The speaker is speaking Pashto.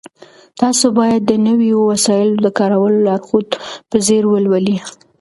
تاسو باید د نويو وسایلو د کارولو لارښود په ځیر ولولئ.